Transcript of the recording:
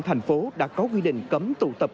thành phố đã có quyết định cấm tụ tập